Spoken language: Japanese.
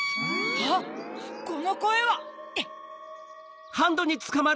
あっこのこえは！